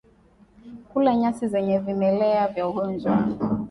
Kula nyasi zenye vimelea vya ugonjwa